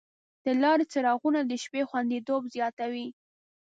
د لارې څراغونه د شپې خوندیتوب زیاتوي.